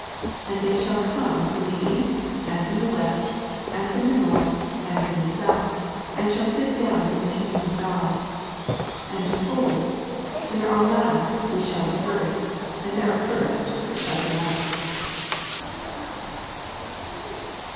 29 And they shall come from thf east, And from the west, and from the north, and from the south, and shall sit down in the kingdom of God. 80 And, behold, there are last which shall be firsthand there are first which shall be last.